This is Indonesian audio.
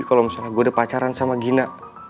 kalau misalnya gue udah pacaran sama gina